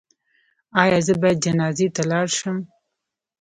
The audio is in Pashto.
ایا زه باید جنازې ته لاړ شم؟